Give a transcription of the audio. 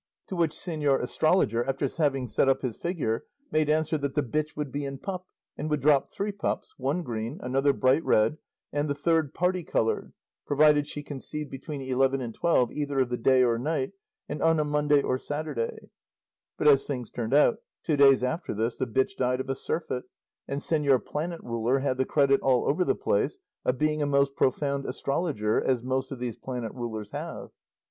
To which señor astrologer, after having set up his figure, made answer that the bitch would be in pup, and would drop three pups, one green, another bright red, and the third parti coloured, provided she conceived between eleven and twelve either of the day or night, and on a Monday or Saturday; but as things turned out, two days after this the bitch died of a surfeit, and señor planet ruler had the credit all over the place of being a most profound astrologer, as most of these planet rulers have."